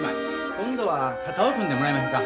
今度は肩を組んでもらいまひょか。